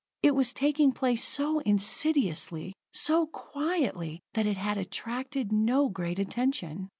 It was taking place so insidiously, so quietly, that it had attracted no great attention.